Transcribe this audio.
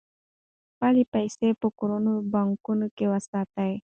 خپلې پيسې په کورنیو بانکونو کې وساتئ.